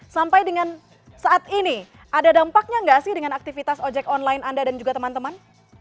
sampai dengan saat ini ada dampaknya nggak sih dengan aktivitas ojek online anda dan juga teman teman